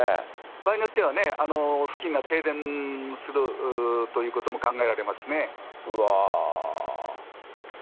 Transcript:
場合によっては付近が停電するということも考えられますね。